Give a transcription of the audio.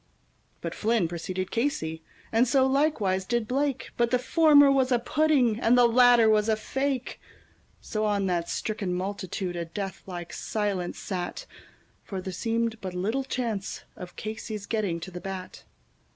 But Flynn preceded Casey, and so likewise did Blake, But the former was a pudding, and the latter was a fake; So on that stricken multitude a death like silence sat, For there seemed but little chance of Casey's getting to the bat.